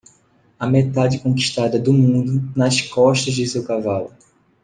A metade conquistada do mundo nas costas de seu cavalo.